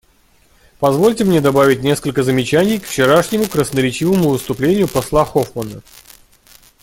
Позвольте мне добавить несколько замечаний к вчерашнему красноречивому выступлению посла Хоффмана.